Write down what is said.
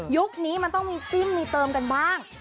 นี้มันต้องมีจิ้มมีเติมกันบ้าง